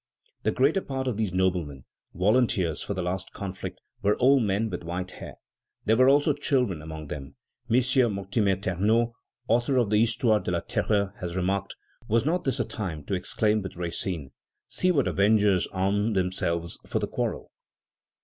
The greater part of these noblemen, volunteers for the last conflict, were old men with white hair. There were also children among them. M. Mortimer Ternaux, author of the Histoire de la Terreur, has remarked: "Was not this a time to exclaim with Racine: "'See what avengers arm themselves for the quarrel?'